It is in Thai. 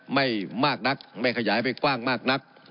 ไม่มากนักไม่ขยายไปกว้างมากนัก